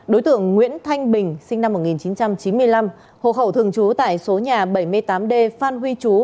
đối tượng nguyễn thanh bình sinh năm một nghìn chín trăm chín mươi năm hộ khẩu thường trú tại số nhà bảy mươi tám d phan huy chú